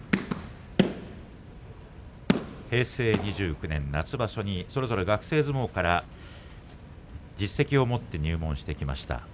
平成２９年夏場所にそれぞれ学生相撲から実績を持って入門してきました。